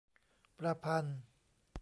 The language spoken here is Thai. ประพันธ์